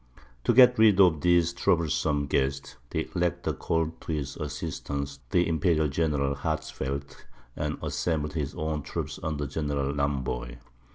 To get rid of these troublesome guests, the Elector called to his assistance the imperial general Hatzfeldt, and assembled his own troops under General Lamboy.